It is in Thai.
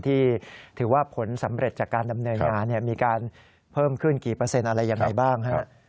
ที่ถือว่าผลสำเร็จจากการดำเนินงานมีการเพิ่มขึ้นกี่เปอร์เซ็นต์อะไรยังไงบ้างฮะ